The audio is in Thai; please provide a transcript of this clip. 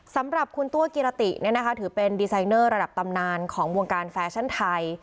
สำหรับคุณตัวกิรติถือเป็นดีไซเนอร์ระดับตำนานของวงการแฟชั่นไทย